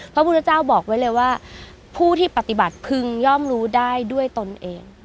พระพุทธเจ้าบอกไว้เลยว่าผู้ที่ปฏิบัติพึงย่อมรู้ได้ด้วยตนเอง